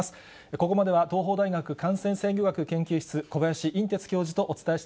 ここまでは東邦大学感染制御学研究室、小林寅てつ教授とお伝えし